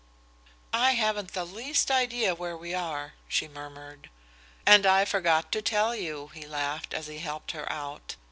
"I haven't the least idea where we are," she murmured. "And I forgot to tell you," he laughed, as he helped her out.